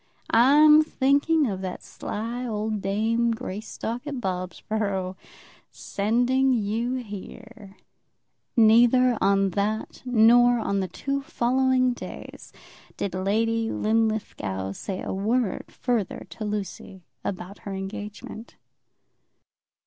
"I'm thinking of that sly old dame Greystock at Bobsborough, sending you here!" Neither on that nor on the two following days did Lady Linlithgow say a word further to Lucy about her engagement.